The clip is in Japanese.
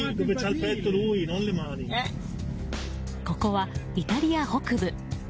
ここはイタリア北部。